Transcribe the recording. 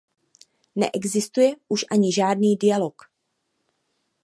Neexistuje už ani žádný dialog.